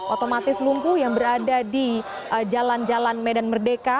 otomatis lumpuh yang berada di jalan jalan medan merdeka